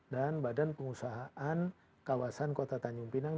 dan badan pengusahaan kawasan kota tanjung pinang